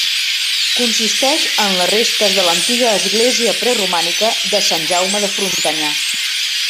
Consisteix en les restes de l'antiga església preromànica de Sant Jaume de Frontanyà.